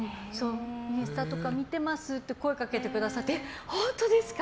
インスタとか見てますって声掛けてくださって本当ですか？